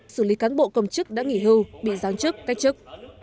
xử lý cán bộ công chức đã nghỉ hưu bị giáng chức cách chức